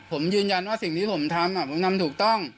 ผมยืนยันว่าสิ่งที่ผมทำผมทำถูกต้อง